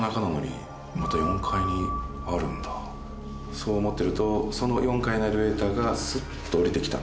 そう思ってるとその４階のエレベーターがスッと降りてきたんですよね